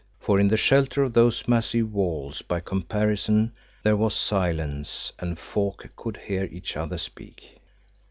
For in the shelter of those massive walls by comparison there was silence and folk could hear each other speak.